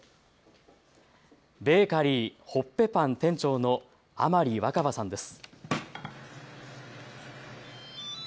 ベーカリーホッペパン店長の天利若葉さんです。